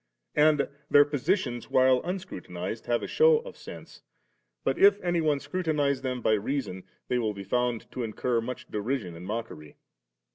And dieir positions, while unscrutinized, have a shew of sense ; but if any one scrutinize them by rea son, they will be found to incur much derision and mockery.